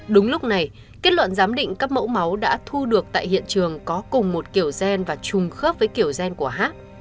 đúng lúc này kết luận giám định các mẫu máu đã thu được tại hiện trường có cùng một kiểu gen và trùng khớp với kiểu gen của hát